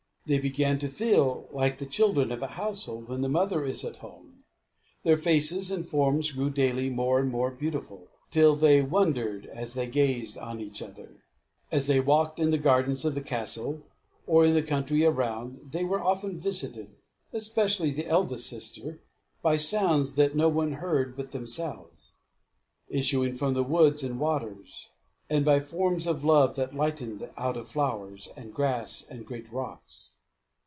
They began to feel like the children of a household, when the mother is at home. Their faces and forms grew daily more and more beautiful, till they wondered as they gazed on each other. As they walked in the gardens of the castle, or in the country around, they were often visited, especially the eldest sister, by sounds that no one heard but themselves, issuing from woods and waters; and by forms of love that lightened out of flowers, and grass, and great rocks.